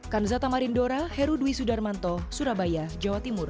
kanzata marindora herudwi sudarmanto surabaya jawa timur